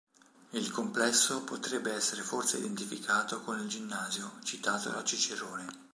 Il complesso potrebbe essere forse identificato con il ginnasio, citato da Cicerone.